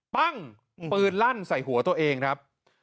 ปั้งปืนลั่นใส่หัวตัวเองครับ